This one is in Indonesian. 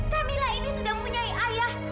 tamila ini sudah mempunyai ayah